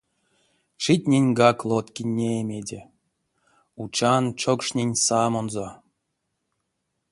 Читненьгак лоткинь неемеде — учан чокшненть самонзо.